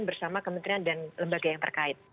bersama kementerian dan lembaga yang terkait